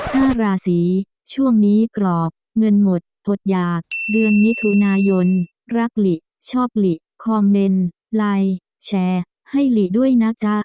ห้าราศีช่วงนี้กรอบเงินหมดอดหยากเดือนมิถุนายนรักหลิชอบหลีคอมเมนต์ไลน์แชร์ให้หลีด้วยนะจ๊ะ